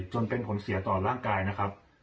จนเป็นผลเสียต่อร่างกายนะครับ